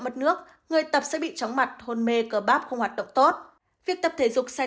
mất nước người tập sẽ bị chóng mặt hôn mê cờ bám không hoạt động tốt việc tập thể dục sai